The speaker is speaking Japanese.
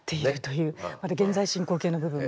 まだ現在進行形の部分もね。